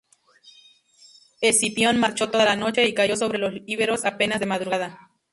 Escipión marchó toda la noche y cayó sobre los íberos apenas de madrugada.